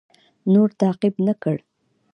نور تعقیب نه کړ.